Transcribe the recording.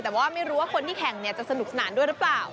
แต่ว่าไม่รู้ว่าคนที่แข่งจะสนุกสนานด้วยหรือเปล่า